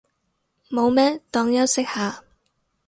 冇咩，當休息下